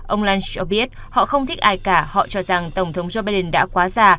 ông lance cho biết họ không thích ai cả họ cho rằng tổng thống joe biden đã quá già